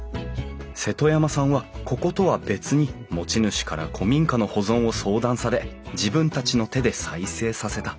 瀬戸山さんはこことは別に持ち主から古民家の保存を相談され自分たちの手で再生させた。